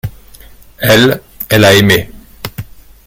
Elle, elle a aimé.